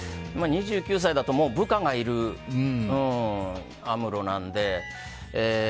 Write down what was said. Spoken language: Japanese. ２９歳だともう部下がいるアムロなので。